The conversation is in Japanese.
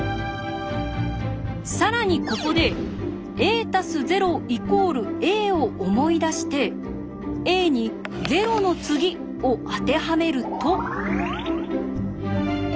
更にここで「ａ＋０＝ａ」を思い出して「ａ」に「０の次」を当てはめると。